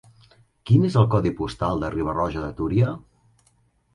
Quin és el codi postal de Riba-roja de Túria?